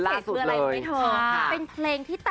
เพราะว่ามีเพื่อนซีอย่างน้ำชาชีระนัทอยู่เคียงข้างเสมอค่ะ